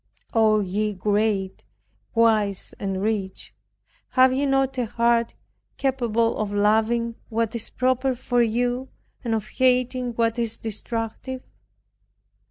O ye great, wise and rich, have ye not a heart capable of loving what is proper for you and of hating what is destructive?